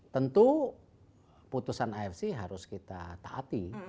tentu putusan afc harus kita taati